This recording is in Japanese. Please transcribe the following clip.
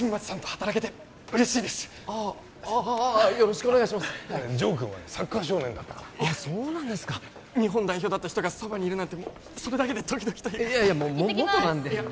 はい城くんはサッカー少年だったからあっそうなんですか日本代表だった人がそばにいるなんてそれだけでドキドキいやいや